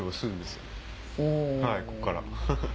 はいここから。